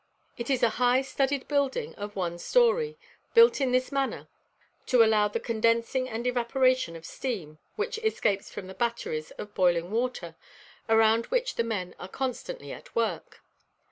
It is a high studded building, of one story, built in this manner to allow the condensing and evaporation of steam, which escapes from the "batteries" of boiling water, around which the men are constantly at work.